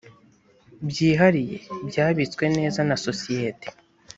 byihariye byabitswe neza na sosiyete